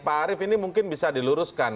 pak arief ini mungkin bisa diluruskan